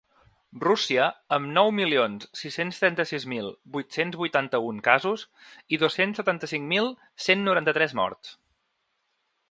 Rússia, amb nou milions sis-cents trenta-sis mil vuit-cents vuitanta-un casos i dos-cents setanta-cinc mil cent noranta-tres morts.